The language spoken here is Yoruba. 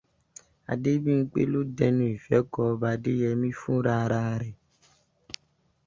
Adébímpé ló dẹnu ìfẹ́ kọ Ọba Adéyẹmí fúnra rẹ̀.